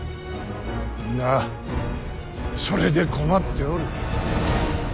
みんなそれで困っておる。